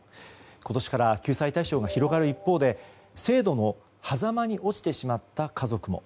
今年から救済対象が広がる一方で制度のはざまに落ちてしまった家族も。